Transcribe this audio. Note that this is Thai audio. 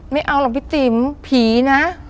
ไม่เอาหรอกพี่ติ๋มผีนะ